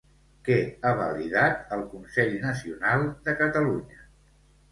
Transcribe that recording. Què ha validat el Consell Nacional de Catalunya?